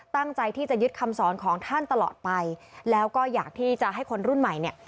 ตั้งใจที่จะยึดคำสอนของท่านตลอดไปแล้วก็อยากที่จะให้คนรุ่นใหม่เนี่ย